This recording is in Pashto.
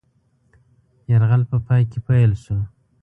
یرغل په پای کې پیل شو.